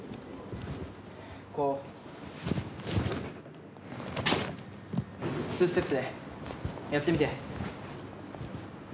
こう、２ステップで、やってみて。